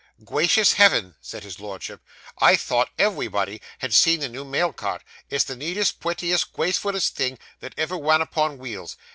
'Gwacious heavens!' said his Lordship, 'I thought evewebody had seen the new mail cart; it's the neatest, pwettiest, gwacefullest thing that ever wan upon wheels.